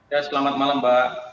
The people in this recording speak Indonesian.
ya selamat malam mbak